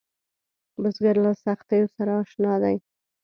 بزګر له سختیو سره اشنا دی